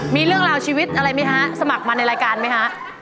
มีเรื่องราวชีวิตอะไรไหมฮะสมัครมาในรายการไหมฮะ